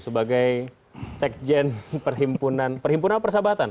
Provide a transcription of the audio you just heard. sebagai sekjen perhimpunan perhimpunan persahabatan